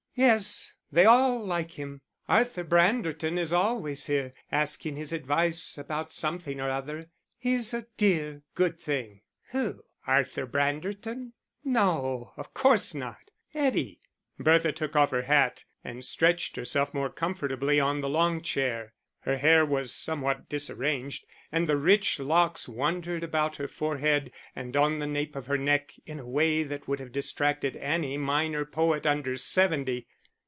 "Yes, they all like him. Arthur Branderton is always here, asking his advice about something or other. He's a dear, good thing." "Who? Arthur Branderton?" "No, of course not Eddie." Bertha took off her hat and stretched herself more comfortably on the long chair. Her hair was somewhat disarranged, and the rich locks wandered about her forehead and on the nape of her neck in a way that would have distracted any minor poet under seventy.